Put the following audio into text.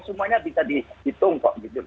semuanya bisa dihitung kok gitu